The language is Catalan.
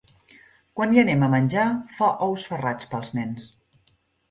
Quan hi anem a menjar, fa ous ferrats pels nens.